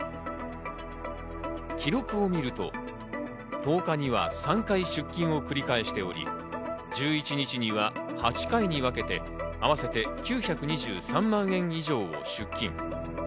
記録を見ると１０日には３回出金を繰り返しており、１１日には８回に分けて合わせて９２３万円以上出金。